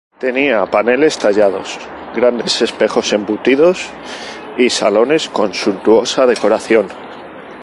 Tenía paneles tallados, grandes espejos embutidos y salones con suntuosa decoración.